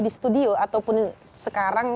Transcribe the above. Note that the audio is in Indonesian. di studio ataupun sekarang